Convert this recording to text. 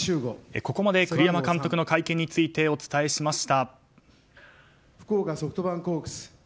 ここまで栗山監督の会見についてお伝えしました。